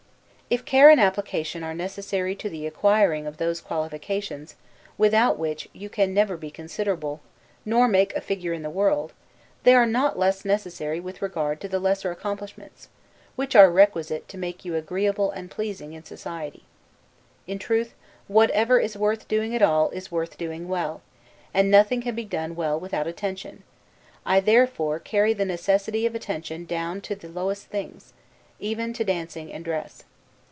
If care and application are necessary to the acquiring of those qualifications, without which you can never be considerable, nor make a figure in the world, they are not less necessary with regard to the lesser accomplishments, which are requisite to make you agreeable and pleasing in society. In truth, whatever is worth doing at all, is worth doing well; and nothing can be done well without attention: I therefore carry the necessity of attention down to the lowest things, even to dancing and dress.